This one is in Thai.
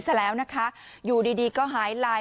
ซะแล้วนะคะอยู่ดีดีก็หายไลน์